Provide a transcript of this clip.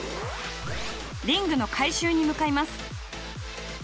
リングの回収に向かいます。